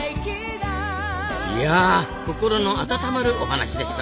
いや心の温まるお話でしたな。